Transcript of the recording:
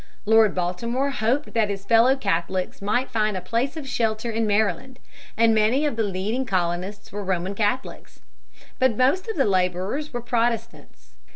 Lord Baltimore hoped that his fellow Catholics might find a place of shelter in Maryland, and many of the leading colonists were Roman Catholics. But most of the laborers were Protestants.